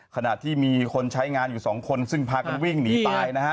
ขณะที่มีคนใช้งานอยู่สองคนซึ่งพากันวิ่งหนีตายนะฮะ